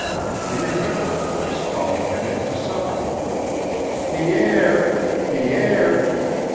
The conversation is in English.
He remembered a voice calling him in to supper. "Pi erre! Pi erre!"